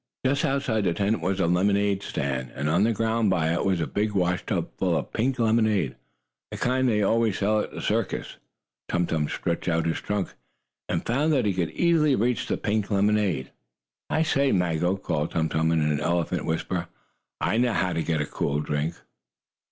Just outside the tent, was a lemonade stand, and on the ground by it was a big washtub full of pink lemonade, the kind they always sell at circuses. Tum Tum stretched out his trunk, and found that he could easily reach the pink lemonade. "I say, Maggo," called Tum Tum, in an elephant whisper. "I know how to get a cool drink."